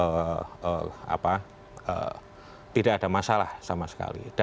ini juga menunjukkan bahwa tidak ada masalah sama sekali